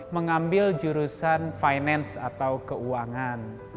mengambil jurusan finance atau keuangan